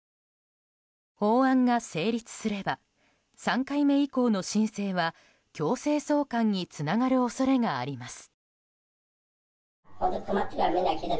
法案が成立すれば３回目以降の申請は強制送還につながる恐れがあります。